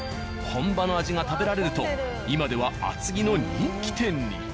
本場の味が食べられると今では厚木の人気店に。